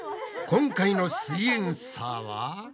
今回の「すイエんサー」は。